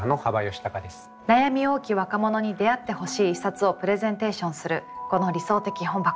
悩み多き若者に出会ってほしい一冊をプレゼンテーションするこの「理想的本箱」。